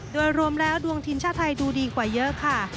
โดยรวมแล้วดวงทีมชาติไทยดูดีกว่าเยอะค่ะ